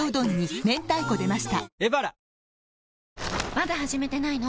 まだ始めてないの？